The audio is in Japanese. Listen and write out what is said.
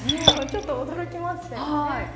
ちょっと驚きましたよね。